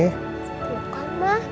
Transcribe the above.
eh bukan ma